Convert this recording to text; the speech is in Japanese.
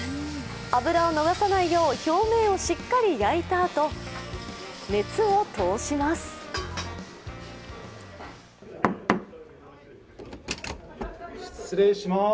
脂を逃さないよう表面をしっかり焼いたあと、熱を通します。